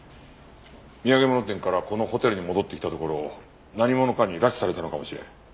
土産物店からこのホテルに戻ってきたところを何者かに拉致されたのかもしれん。